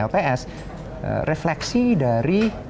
lps refleksi dari